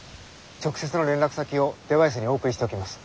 直接の連絡先をデバイスにお送りしておきます。